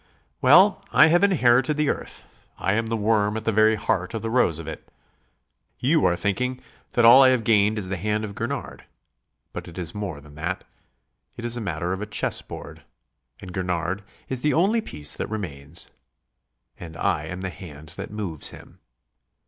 "Well, I have inherited the earth. I am the worm at the very heart of the rose of it. You are thinking that all that I have gained is the hand of Gurnard. But it is more than that. It is a matter of a chess board; and Gurnard is the only piece that remains. And I am the hand that moves him.